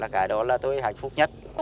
cái đó là tôi hạnh phúc nhất